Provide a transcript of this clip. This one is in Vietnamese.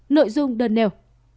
nội dung đơn nêu